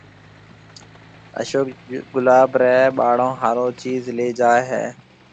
اشوڪ گلاب رَي ٻاݪو ھارو چيز ليَ جائيَ ھيََََ